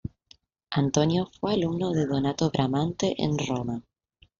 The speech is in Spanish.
Antonio fue alumno de Donato Bramante en Roma.